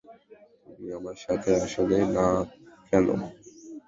তুমি আমার সাথে আসলে না কেন?